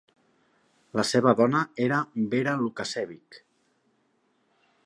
La seva dona era Vera Lukasevich.